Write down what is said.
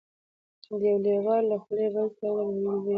د یوه لېوه له خولې بل ته ور لوېږي